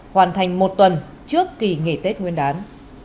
hoàn thành một tuần trước kỳ nghỉ tết nguyên đán